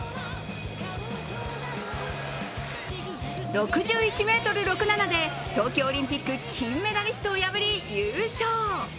６１ｍ６７で東京オリンピック金メダリストを破り優勝。